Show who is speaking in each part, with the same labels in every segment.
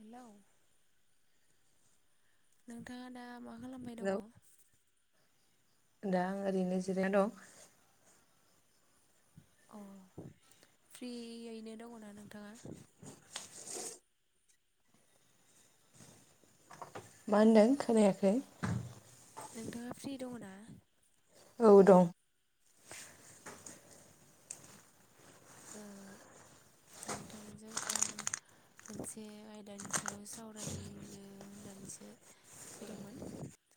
Speaker 1: Hello नोंथाङा दा मा खालामबाय दङ'?
Speaker 2: हेलौ दा आङो ओरैनो जिरायना दं
Speaker 1: अ फ्रियैनो दङ'ना नोंथाङा
Speaker 2: मा होनदों खोनायाखै
Speaker 1: नोंथाङा फ्रि दङ'ना
Speaker 2: औ दं
Speaker 1: ओ नोंथांजों आं मोनसे आयदानि सायाव सावरायनो होननानैसो फैदोंमोन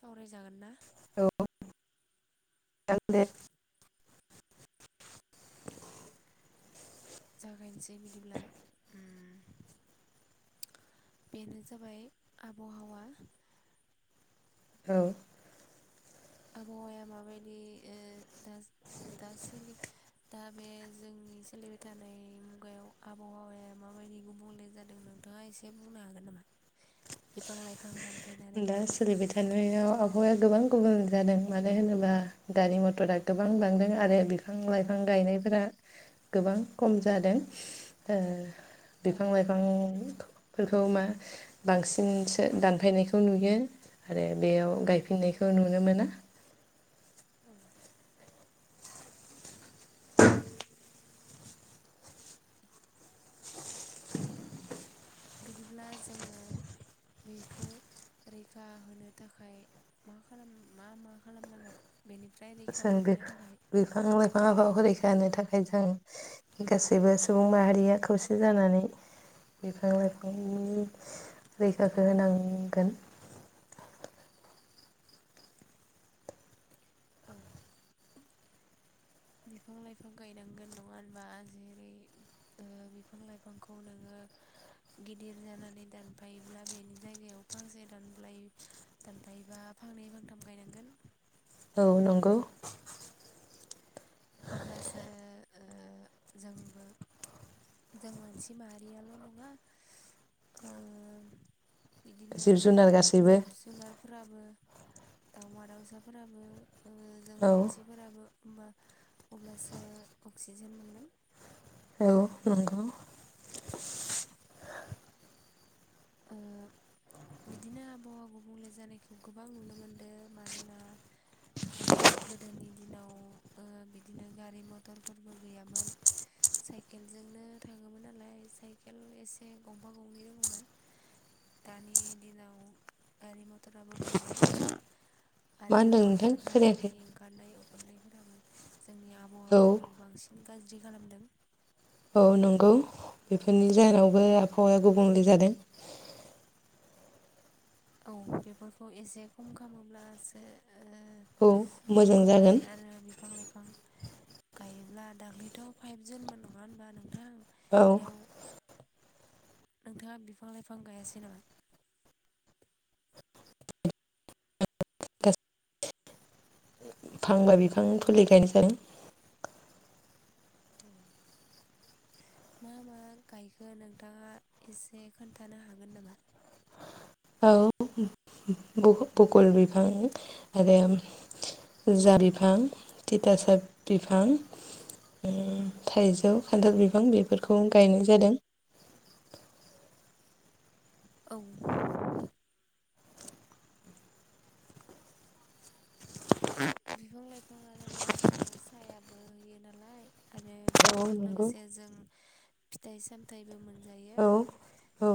Speaker 1: सावरायजागोन ना?
Speaker 2: औ [unintelligible] दे
Speaker 1: जागायनोसै बिदिब्ला उम बेनो जाबाय आबवाहावा
Speaker 2: औ
Speaker 1: आबहावाया माबायदि ओ दा-दा सोलि दा बे जोंनि सोलिबाय थानाय मुगायाव आबहावाया माबायदि गुबुंले जादों नोंथाङा एसे बुंनो हागोन नामा बिफां लाइफां दानफा
Speaker 2: दा सोलिबाय थानायाव आबहावाया गोबां गुबुन जादों मानो होनोबा गारि मथरा गोबां बांदों आरो बिफां लाइफां गायनायफोरा गोबां खम जादों ओ
Speaker 1: औ
Speaker 2: बिफां लाइफां फोरखौ मा बांसिनसो दानफायनाय खौ नुयो आरो बेयाव गायफिननायखौ नुनो मोना
Speaker 1: औ बिदिब्ला जोङो बेखौ रैखा होनो थाखाय मा खालाम मा मा खालामनांगोन बेनि
Speaker 2: जों बि-बिफां लाइफांखौ रैखा होनो थाखाय जों गासैबो सुबुं माहारिया खौसे जानानै बिफां लाइफांनि रैखाखौ होनांगोन
Speaker 1: औ बिफां लाइफां गायनांगोन नङा होनबा जेरै ओ बिफां लाइफांखौ नोङो गिदिर जानानै दानफायोब्ला बेनि जायगायाव फांसे दानलायो दानफायोबा फांनै फांथाम गायनांगोन
Speaker 2: औ नंगौ
Speaker 1: अब्लासो ओ जोंबो जों मानसि माहारियाल' नङा ओ बिदिनो
Speaker 2: जिब जुनार गासैबो
Speaker 1: जिब जुनारफोराबो दावमा दाउसाफोराबो ओ जों
Speaker 2: औ
Speaker 1: मानसिफोराबो [unintelligible] अब्लासो अक्सिजेन मोनगोन
Speaker 2: औ नंगौ
Speaker 1: ओ बिदिनो आबौ आबौ गुबुंले जानायखौ गोबां नुनो मोनदों मानोना ओ गोदोनि दिनाव ओ बिदिनो गारि मथरफोरबो गैयामोन साइकेलजोंनो थाङोमोन नालाय साइकेल एसे गंफा गंनै दङ'मोन दानि दिनाव गारि मथराबो बांबाय नालाय
Speaker 2: मा
Speaker 1: आरो
Speaker 2: होनदों नोंथां खोनायाखै
Speaker 1: कलकारखानानि ओंखारनाय [unintelligible] जोंनि आ
Speaker 2: औ
Speaker 1: बांसिन गाज्रि खालामदों
Speaker 2: औ नंगौ बेफोरनि जाहोनावबो आबहावाया गुबुंले जादों।
Speaker 1: औ बेफोरखौ एसे खम खालामोब्लासो
Speaker 2: औ
Speaker 1: खम
Speaker 2: मोजां
Speaker 1: खालामनानै
Speaker 2: जागोन
Speaker 1: आरो बिफां लाइफां गायोब्ला दाख्लैथ' फाइभ जुनमोन नङा होनबा नोंथां?
Speaker 2: औ
Speaker 1: बेयाव नोंथाङा बिफां लाइफां गायासै नामा?
Speaker 2: फांबा बिफां फुलि गायनाय [unintelligible]
Speaker 1: औ मा मा गायखो नोंथाङा एसे खोन्थानो हागोन नामा?
Speaker 2: औ भु-भुगल बिफां आरो जा बिफां थिथासाब बिफां थाइजौ खान्थाल बिफां बेफोरखौ गायनाय जादों।
Speaker 1: औ। बिफां लाइफाङानो जोंनो सायाबो होयो नालाय आरो
Speaker 2: औ
Speaker 1: बेनिजों
Speaker 2: नंगौ
Speaker 1: लोगोसे जों फिथाइ सामथाइबो मोनजायो
Speaker 2: औ औ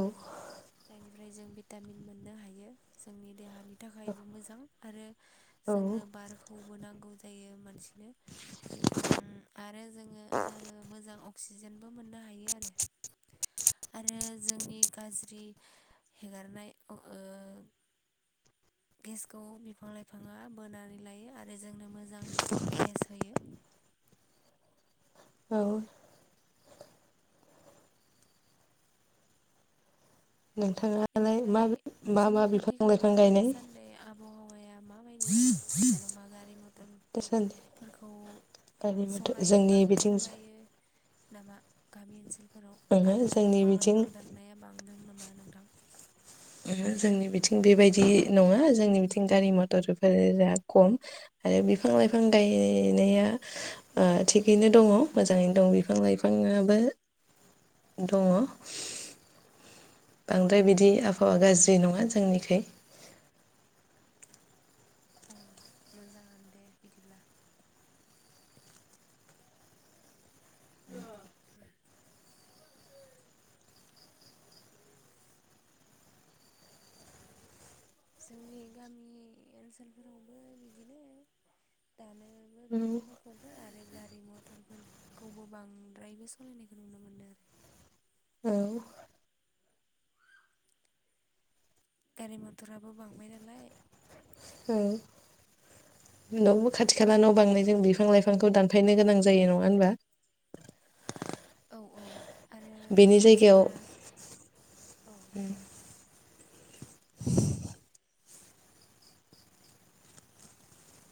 Speaker 1: जायनिफ्राय जों भिटामिन मोननो हायो जोंनि देहानि थाखायबो मोजां आरो
Speaker 2: औ
Speaker 1: जोंनो बार खौबो नांगौ जायो मानसिनो ओम आरो जोङो मोजां अक्सिजेनबो मोननो हायो आरो आरो जोंनि गाज्रि हेगारनाय ओ गेसखौ बिफां लाइफाङा बोनानै लायो आरो जोंनो मोजां गेस होयो।
Speaker 2: औ नोंथाङालाय
Speaker 1: इनिफ्राय
Speaker 2: मा मा
Speaker 1: नोंसोरनि
Speaker 2: मा
Speaker 1: खाथि
Speaker 2: बिफां
Speaker 1: खाला
Speaker 2: लाइफां गायनाय
Speaker 1: दासान्दै आबहावाया माबायदि जेन'बा गारि
Speaker 2: दासान्दि
Speaker 1: मथरफोरखौ
Speaker 2: गायनाय बोथोर
Speaker 1: सलाय
Speaker 2: जोंनि
Speaker 1: बांद्राय
Speaker 2: बिथिं
Speaker 1: सलायो नामा? गामि ओनसोल फोराव
Speaker 2: ओहो
Speaker 1: आरो
Speaker 2: जोंनि
Speaker 1: बिफां
Speaker 2: बिथिं
Speaker 1: लाइफां दाननाया बांदों नामा नोंथां?
Speaker 2: ओहो जोंनि बिथिं बेबायदि नङा जोंनि बिथिं गारि मथरफोरा खम आरो बिफां लाइफां गायनाया ओ थिगैनो दङ मोजाङैनो दं बिफां लाइफाङाबो दङ। बांद्राय बिदि आबहावा गाज्रि नङा जोंनिखै।
Speaker 1: अ मोजाङानो दे बिदिब्ला। [unintelligible] जोंनि गामि ओनसोलफोरावबो बिदिनो। दानोबो
Speaker 2: औ
Speaker 1: बिफांफोरखौबो आरो गारि मथरफोरखौबो बांद्रायबो सालायनायखौ नुनो मोनदों।
Speaker 2: औ
Speaker 1: गारि मथराबो बांबाय नालाय।
Speaker 2: [unintelligible] उनावबो खाथि खाला न' बांनायजों बिफां लाइफांखौ दानफायनो गोनां जायो नङा होनबा?
Speaker 1: [inaudible] आरो
Speaker 2: बेनि जायगायाव
Speaker 1: मानसिफोरा औ।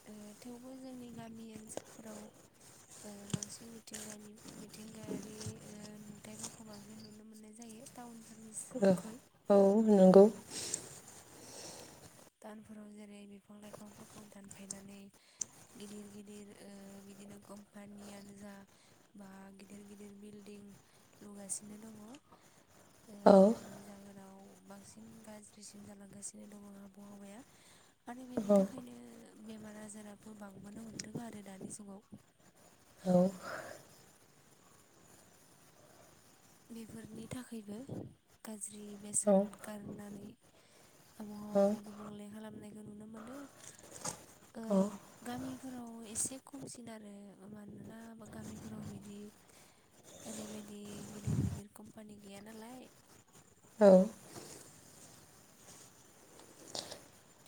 Speaker 1: ओ थेवबो जोंनि गामि ओनसोलफोराव ओ बांसिन मिथिंगानि मिथिंगायारि ओ नुथायाइफोरखौ बांसिन नुनो मोननाय जायो टाउन
Speaker 2: ओ औ नंगौ।
Speaker 1: टाउनफोराव जेरै बिफां लाइफांफोरखौ दानफायनानै गिदिर गिदिर ओ बिदिनो कम्पानियानो जा बा गिदिर गिदिर बिल्डिं लुगासिनो दङ।
Speaker 2: औ
Speaker 1: आव बांसिन गाज्रिसिन जालांगासिनो दङ आब आरो बेनि थाखायनो बेमार आजाराबो बांबोनो हमदों आरो दानि जुगाव।
Speaker 2: औ
Speaker 1: बेफोरनि थाखायबो गाज्रि बेसाद गारनानै
Speaker 2: औ
Speaker 1: आबहावाखौ गुबुंले खालामनाय नुनो मोनो ओ
Speaker 2: औ
Speaker 1: गामिफोराव एसे खमसिन आरो मानोना गामिफोराव बिदि ओरैबायदि गिदिर गिदिर कम्पानि गैया नालाय।
Speaker 2: औ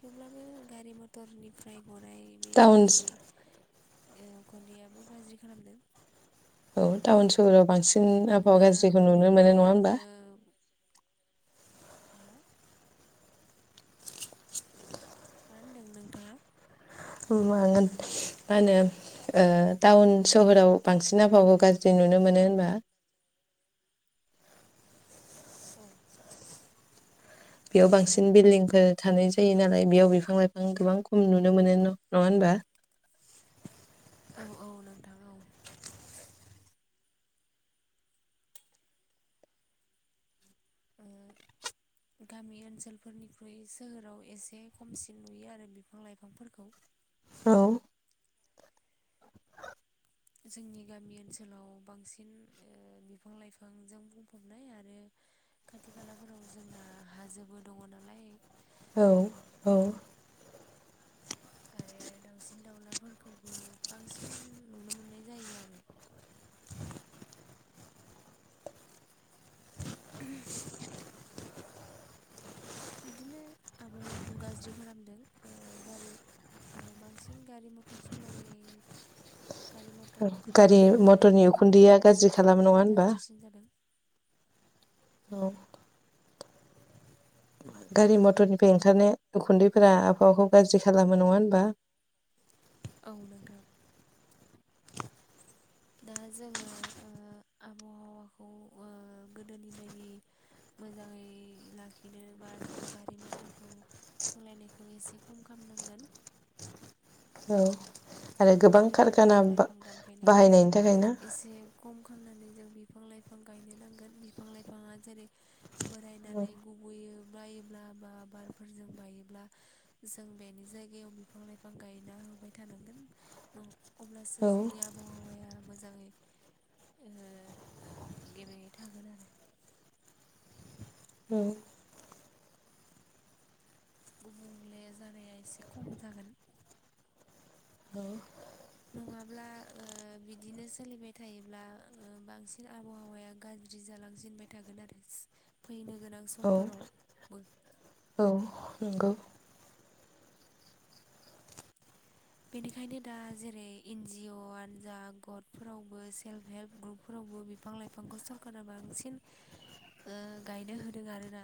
Speaker 1: थेवब्लाबो गारि मथरनिफ्राय गनाय बे
Speaker 2: टाउन
Speaker 1: गाज्रि उखुन्दैयाबो गाज्रि खालामदों।
Speaker 2: औ टाउन सहराव बांसिन आबहावा
Speaker 1: मानोना
Speaker 2: गाज्रिखौ नुनो
Speaker 1: उन्दै
Speaker 2: मोनो नङा होमबा?
Speaker 1: उन्दैयावनो हा? मा होनदों नोंथाङा?
Speaker 2: म मा होनो टाउन सहराव बांसिन आबहावखौ गाज्रि नुनो मोनो होनबा?
Speaker 1: औ।
Speaker 2: बेयाव बांसिन बिल्डिंफोर थानाय जायो नालाय बेयाव बिफां लाइफां गोबां खम नुनो मोनो नङा होनबा?
Speaker 1: औ औ नोंथां औ। ओ गामि ओनसोलफोरनिख्रुइ सोहोराव एसे खमसिन नुयो आरो बिफां लाइफांफोरखौ।
Speaker 2: औ
Speaker 1: जोंनि गामि ओनसोलाव बांसिन बिफां लाइफांजों बुंफबनाय आरो खाथि खालाफोराव जोंना हाजोबो दङ नालाय
Speaker 2: औ औ
Speaker 1: आरो दाउसिन दाउलाफोरखौबो बांसिन नुनो मोननाय जायो आरो। बिदिनो आबहावाखौ गाज्रि खालामदों ओ गारि बांसिन गारि मथर सालाय गारि मटर
Speaker 2: गारि मटरनि
Speaker 1: ओंखारनायनिफ्रायनो जोंनि
Speaker 2: उखुन्दैया गाज्रि
Speaker 1: आबहावाया
Speaker 2: खालामो नङा
Speaker 1: बांसिन
Speaker 2: होनबा
Speaker 1: गाज्रिसिन जादों।
Speaker 2: औ गारि मथरनिफ्राय ओंखारनाय उखुन्दैफोरा आबहावाखौ गाज्रि खालामो नङा होनबा?
Speaker 1: औ नोंथां। दा जोङो ओ आबहावाखौ ओ गोदोनि बायदि मोजाङै लाखिनोबा जों गारि मथरखौ सालायनायखौ एसे खम खालामनांगोन।
Speaker 2: औ गोबां
Speaker 1: आरो
Speaker 2: कारखाना
Speaker 1: बिफां
Speaker 2: बा
Speaker 1: लाइफां दानफायनायखौ
Speaker 2: बाहायनायनि थाखाय ना
Speaker 1: एसे खम खालामनानै जों बिफां लाइफां गायनो नांगोन बिफां लाइफाङा जेरै बोरायनानै गुबोयो। बायोब्ला बा बारफोरजों बायोब्ला जों बेनि जायगायाव बिफां लाइफां गायना होबाय थानांगोन। औ अब्लासो
Speaker 2: औ
Speaker 1: जोंनि आबहावाया मोजाङै ओ ओ गेबेङै थागोन आरो।
Speaker 2: औ
Speaker 1: गुबुंले जानाया एसे खम जागोन। नङाब्ला ओ बिदिनो सोलिबाय थायोब्ला बांसिन आबहावाया गाज्रि जालांसिनबाय थागोन आरो फैनो गोनां
Speaker 2: औ
Speaker 1: समफोरावबो।
Speaker 2: औ नंगौ
Speaker 1: बेनिखायनो दा जेरै एन जिअ आनजाद गटफोरावबो सेल्फ हेल्प ग्रुपफोरावबो बिफां लाइफांखौ सरकारा बांसिन ओ गायनो होदों आरोना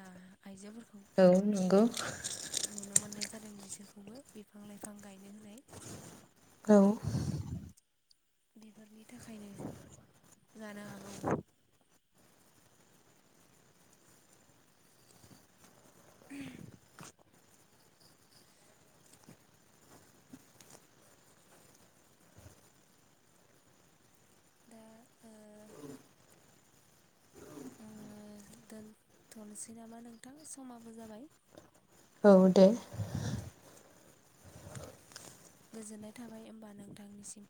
Speaker 1: आइजोफोरखौ।
Speaker 2: औ नंगौ।
Speaker 1: नुनो मोननाय जादों बिसोरखौबो बिफां लाइफां गायनो होनाय।
Speaker 2: औ
Speaker 1: बेफोरनि थाखायनो जानो हागौ। [inaudible] दा ओ आङो दोनथ'नोसै नामा नोंथां समाबो जाबाय।
Speaker 2: औ दे।
Speaker 1: गोजोननाय थाबाय होमबा नोंथांनिसिम।